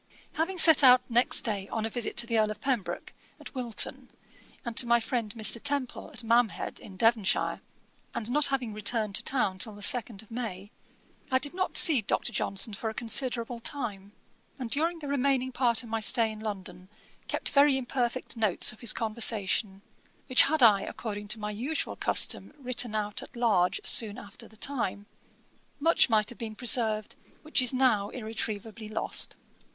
"' Having set out next day on a visit to the Earl of Pembroke, at Wilton, and to my friend, Mr. Temple, at Mamhead, in Devonshire, and not having returned to town till the second of May, I did not see Dr. Johnson for a considerable time, and during the remaining part of my stay in London, kept very imperfect notes of his conversation, which had I according to my usual custom written out at large soon after the time, much might have been preserved, which is now irretrievably lost.